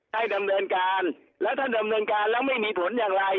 ให้ดำเนินการแล้วถ้าดำเนินการแล้วไม่มีผลอย่างไร